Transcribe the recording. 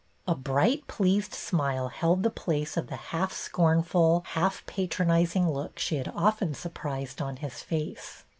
A bright, pleased smile held the place of the half scornful, half patronizing look she had often surprised on his face.